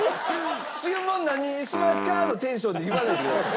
「注文何にしますか？」のテンションで言わないでください。